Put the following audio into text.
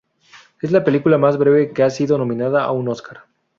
Es la película más breve que ha sido nominada a un Oscar.